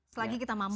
selagi kita mampu ya